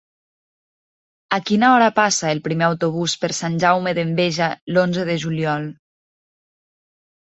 A quina hora passa el primer autobús per Sant Jaume d'Enveja l'onze de juliol?